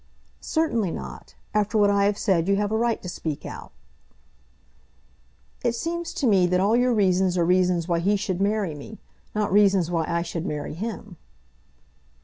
"Certainly not. After what I have said, you have a right to speak out." "It seems to me that all your reasons are reasons why he should marry me; not reasons why I should marry him."